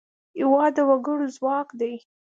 هېواد د وګړو ځواک دی.